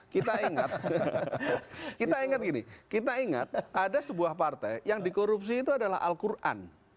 kita ingat kita ingat gini kita ingat ada sebuah partai yang dikorupsi itu adalah al quran